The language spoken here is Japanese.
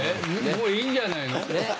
もういいんじゃないの？